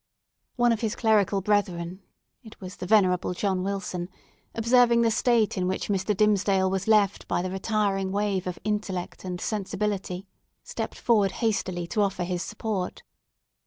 One of his clerical brethren—it was the venerable John Wilson—observing the state in which Mr. Dimmesdale was left by the retiring wave of intellect and sensibility, stepped forward hastily to offer his support.